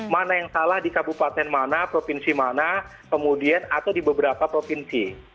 mana yang salah di kabupaten mana provinsi mana kemudian atau di beberapa provinsi